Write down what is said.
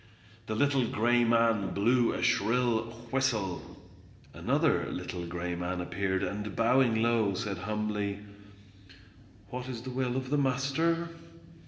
The little gray man blew a shrill whistle. Another little gray man appeared, and bowing low, said humbly:— "What is the will of the master?"